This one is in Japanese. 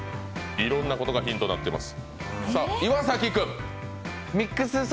いろんなことがヒントになっています。